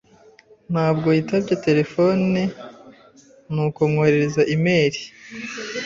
Ntabwo yitabye terefone, nuko mwoherereza imeri.